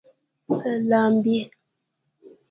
لامبي